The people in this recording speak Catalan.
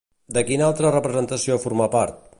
De quina altra representació formà part?